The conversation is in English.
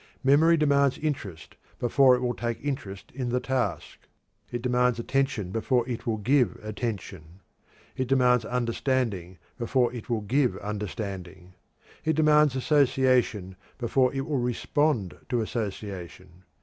Memory demands interest before it will take interest in the task. It demands attention before it will give attention. It demands understanding before it will give understanding. It demands association before it will respond to association.